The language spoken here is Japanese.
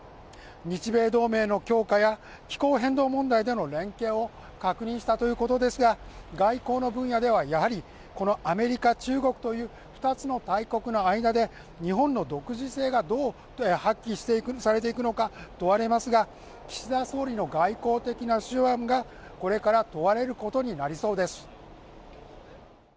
日米同盟の強化や気候変動問題への連携を確認したということですが外交の分野ではやはりこのアメリカ、中国という２つの大国の間で、日本の独自性がどう発揮していくのかが問われますが岸田総理の外交的な手腕がこれから問われることになりそうです。